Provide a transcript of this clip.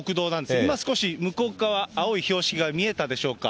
今、少し向こう側、青い標識が見えたでしょうか。